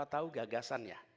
tidak tahu gagasannya